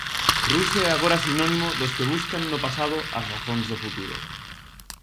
Rusia é agora sinónimo dos que buscan no pasado as razóns do futuro.